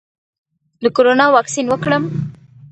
د کرونا واکسین وکړم؟